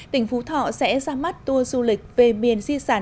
tỉnh phú thọ sẽ ra mắt tour du lịch về miền di sản unesco vi danh